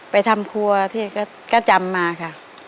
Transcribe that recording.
ไปทำครัวที่ก็จำมาค่ะ